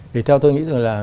thì theo tôi nghĩ rằng là